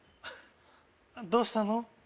どうしたの？